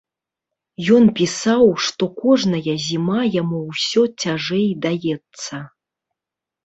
Ён пісаў, што кожная зіма яму ўсё цяжэй даецца.